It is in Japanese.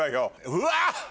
うわっ！